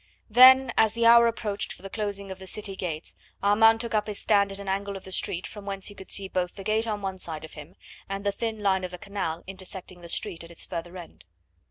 Then as the hour approached for the closing of the city gates Armand took up his stand at an angle of the street from whence he could see both the gate on one side of him and the thin line of the canal intersecting the street at its further end.